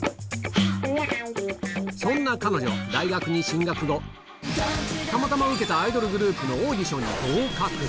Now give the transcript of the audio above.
そんな彼女、大学に進学後、たまたま受けたアイドルグループのオーディションに合格。